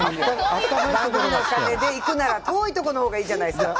番組のお金で行くなら遠いところのほうがいいじゃないですか。